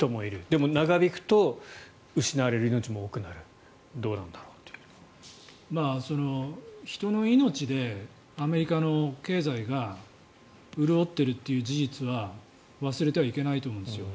でも長引くと失われる命も多くなる人の命でアメリカの経済が潤っているという事実は忘れてはいけないと思うんです。